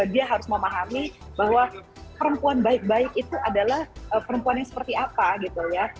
dia harus memahami bahwa perempuan baik baik itu adalah perempuan yang seperti apa gitu ya